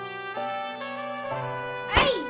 はい！